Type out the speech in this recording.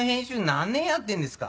何年やってんですか？